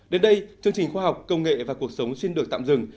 đến đây chương trình khoa học công nghệ và cuộc sống xin được tạm dừng